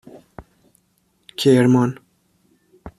کرمان